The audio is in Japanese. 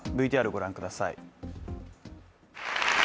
ＶＴＲご覧ください。